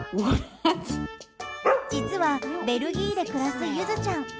実はベルギーで暮らすゆずちゃん。